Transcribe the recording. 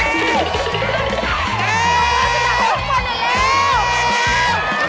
เร็วเร็ว